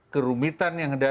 kerumitan yang ada